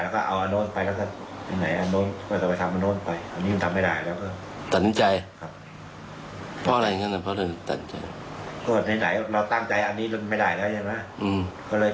ก็เลยเปลี่ยนไปเอาอันนู้นไป